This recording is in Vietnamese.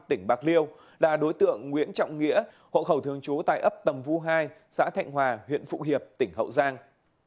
tỉnh bạc liêu là đối tượng nguyễn trọng nghĩa hộ khẩu thường trú tại ấp tầm vu hai xã thạnh hòa huyện phụ hiệp tỉnh hậu giang